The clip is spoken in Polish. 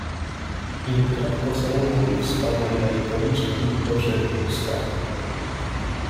"I grad pocałunków spadł na jej policzki, oczy, usta..."